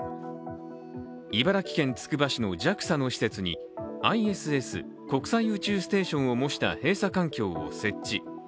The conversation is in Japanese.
茨城県つくば市のＪＡＸＡの施設にＩＳＳ＝国際宇宙ステーションを模した閉鎖環境を設置。